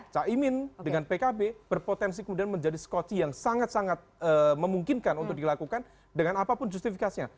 caimin dengan pkb berpotensi kemudian menjadi skoci yang sangat sangat memungkinkan untuk dilakukan dengan apapun justifikasinya